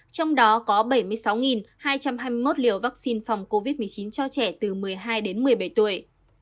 trong đó có bảy mươi sáu hai trăm hai mươi một liều vaccine phòng covid một mươi chín cho trẻ từ một mươi hai đến một mươi bảy tuổi